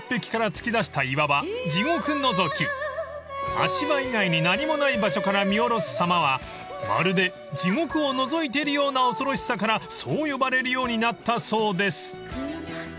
［足場以外に何もない場所から見下ろすさまはまるで地獄をのぞいているような恐ろしさからそう呼ばれるようになったそうです］